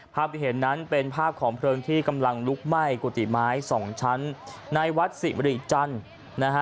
ภาพที่เห็นนั้นเป็นภาพของเพลิงที่กำลังลุกไหม้กุฏิไม้สองชั้นในวัดสิมริจันทร์นะฮะ